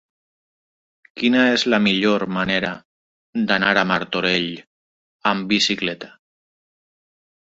Quina és la millor manera d'anar a Martorell amb bicicleta?